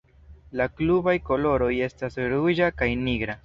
La klubaj koloroj estas ruĝa kaj nigra.